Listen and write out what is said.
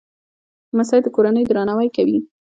لمسی د کورنۍ درناوی کوي.